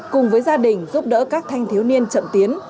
cùng với gia đình giúp đỡ các thanh thiếu niên chậm tiến